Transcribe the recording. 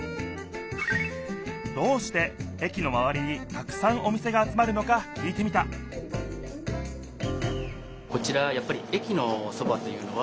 どうして駅のまわりにたくさんお店が集まるのかきいてみたこちらやっぱりそれでああなるほど！